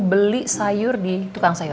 beli sayur di tukang sayur